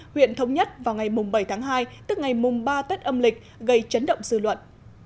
huyện thống nhất vào ngày bảy tháng hai tức ngày mùng ba tết âm lịch gây chấn động dư luận